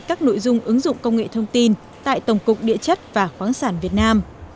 các nội dung ứng dụng công nghệ thông tin tại tổng cục địa chất và khoáng sản việt nam